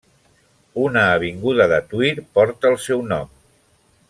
Una avinguda de Tuïr porta el seu nom.